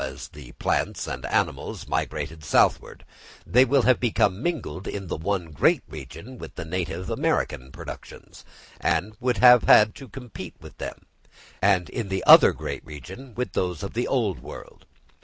As the plants and animals migrated southward, they will have become mingled in the one great region with the native American productions, and would have had to compete with them; and in the other great region, with those of the Old World.